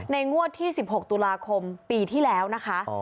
งวดที่๑๖ตุลาคมปีที่แล้วนะคะ